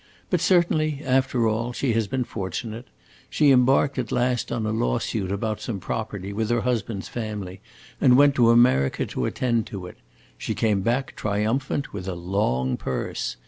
But certainly, after all, she has been fortunate. She embarked at last on a lawsuit about some property, with her husband's family, and went to America to attend to it. She came back triumphant, with a long purse.